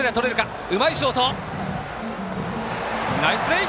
ナイスプレー。